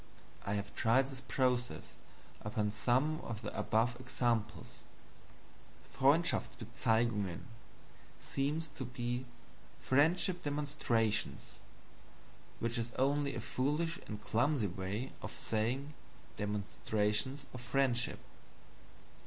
I have tried this process upon some of the above examples. "Freundshaftsbezeigungen" seems to be "Friendship demonstrations," which is only a foolish and clumsy way of saying "demonstrations of friendship."